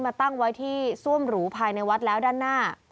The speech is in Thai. ตั้งไว้ที่ซ่วมหรูภายในวัดแล้วด้านหน้า